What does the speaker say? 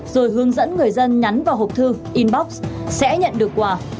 rồi hướng dẫn người dân nhắn vào hộp thư inbox sẽ nhận được quà